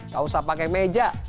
tak usah pakai meja